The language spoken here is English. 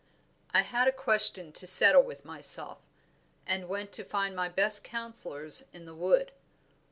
"I had a question to settle with myself and went to find my best counsellors in the wood.